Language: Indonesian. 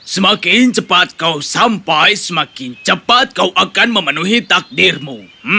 semakin cepat kau sampai semakin cepat kau akan memenuhi takdirmu